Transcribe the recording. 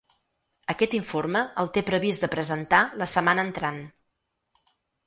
Aquest informe el té previst de presentar la setmana entrant.